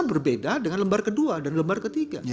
berbeda dengan lembar kedua dan lembar ketiga